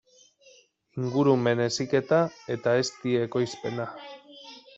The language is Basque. Ingurumen heziketa eta ezti ekoizpena.